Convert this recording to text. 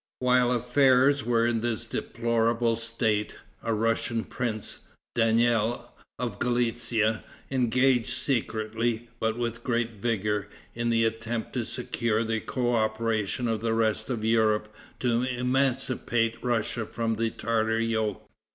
While affairs were in this deplorable state, a Russian prince, Daniel, of Gallicia, engaged secretly, but with great vigor, in the attempt to secure the coöperation of the rest of Europe to emancipate Russia from the Tartar yoke.